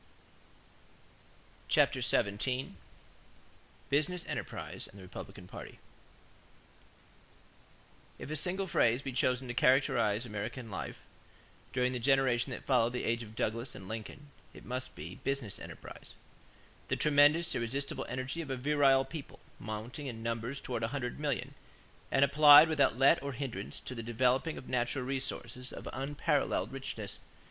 CHAPTER XVII BUSINESS ENTERPRISE AND THE REPUBLICAN PARTY If a single phrase be chosen to characterize American life during the generation that followed the age of Douglas and Lincoln, it must be "business enterprise" the tremendous, irresistible energy of a virile people, mounting in numbers toward a hundred million and applied without let or hindrance to the developing of natural resources of unparalleled richness.